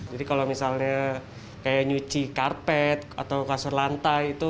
jadi kalau misalnya kayak nyuci karpet atau kasur lantai itu